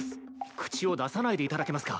口を出さないでいただけますか？